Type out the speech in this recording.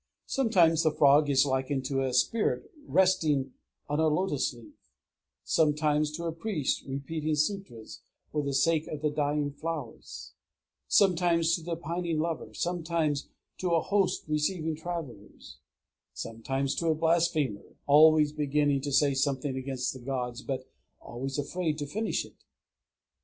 Sometimes the frog is likened to a spirit resting on a lotos leaf; sometimes, to a priest repeating sûtras for the sake of the dying flowers; sometimes to a pining lover; sometimes to a host receiving travellers; sometimes to a blasphemer, "always beginning" to say something against the gods, but always afraid to finish it.